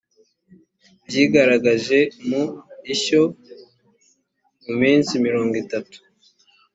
byigaragaje mu ishyo mu minsi mirongo itatu